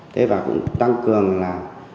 thế và cũng tăng cường là